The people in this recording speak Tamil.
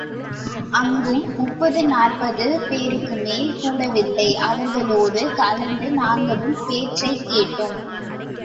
அங்கும் முப்பது நாற்பது பேருக்குமேல் கூடவில்லை அவர்களோடு கலந்து நாங்களும் பேச்சைக் கேட்டோம்.